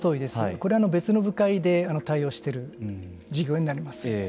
これは別の部会で対応してる事業になります。